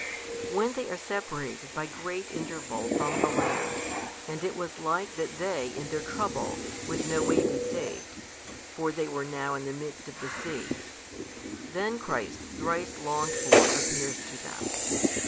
When they are separated by great interval from the land, and it was like that they in their trouble would no way be saved (for they were now in the midst of the sea) then Christ thrice longed for appears to them.